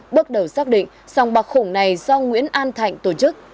bước đầu xác định sòng bạc khủng này do nguyễn an thạnh tổ chức